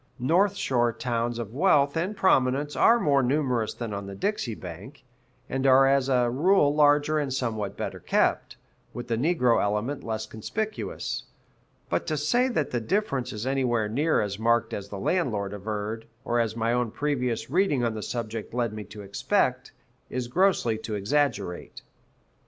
North shore towns of wealth and prominence are more numerous than on the Dixie bank, and are as a rule larger and somewhat better kept, with the negro element less conspicuous; but to say that the difference is anywhere near as marked as the landlord averred, or as my own previous reading on the subject led me to expect, is grossly to exaggerate.